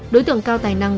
đối tượng cao tài năng